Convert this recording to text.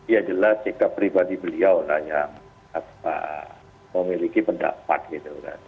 ya jelas sikap pribadi beliau lah yang memiliki pendapat gitu kan